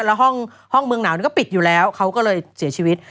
แล้วห้องเมืองหนาวนี่ก็ปิดอยู่แล้วเขาก็เลยเสียชีวิต